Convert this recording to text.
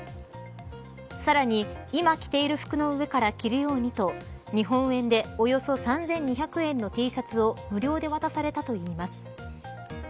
さらに今、着ている服の上から着るようにと日本円でおよそ３２００円のＴシャツを無料で渡されたといいます。